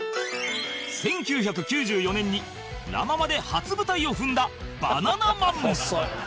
１９９４年にラ・ママで初舞台を踏んだバナナマン